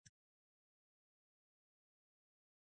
افغانستان د لعل له مخې پېژندل کېږي.